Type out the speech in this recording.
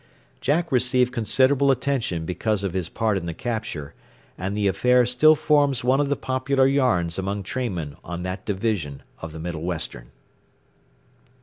Jack received considerable attention because of his part in the capture, and the affair still forms one of the popular yarns among trainmen on that division of the Middle Western.